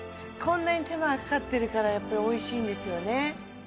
こんなに手間がかかってるからやっぱりおいしいんですよね